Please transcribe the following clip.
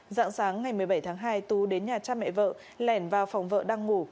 dạng sáng ngày một mươi bảy tháng hai tú đến nhà cha mẹ vợ lẻn vào phòng vợ đang ngủ